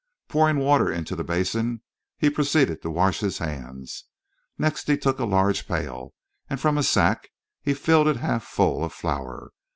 Pouring water into the basin, he proceeded to wash his hands. Next he took a large pail, and from a sack he filled it half full of flour.